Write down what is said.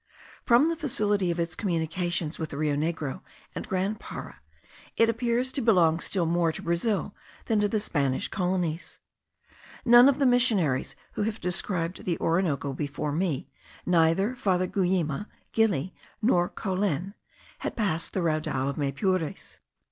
From the facility of its communications with the Rio Negro and Grand Para, it appears to belong still more to Brazil than to the Spanish colonies. None of the missionaries who have described the Orinoco before me, neither Father Gumilla, Gili, nor Caulin, had passed the Raudal of Maypures.